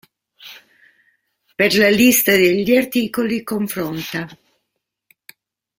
Per la lista degli articoli cfr.